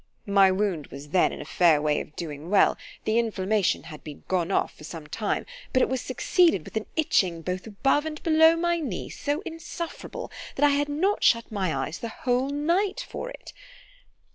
My wound was then in a fair way of doing well——the inflammation had been gone off for some time, but it was succeeded with an itching both above and below my knee, so insufferable, that I had not shut my eyes the whole night for it.